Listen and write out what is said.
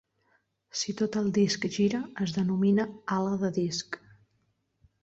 Si tot el disc gira, es denomina "ala de disc".